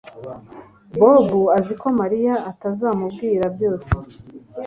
Bobo azi ko Mariya ataramubwira byose